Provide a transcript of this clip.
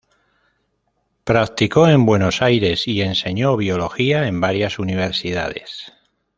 Practicó en Buenos Aires y enseñó biología en varias universidades.